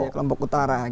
ke lombok utara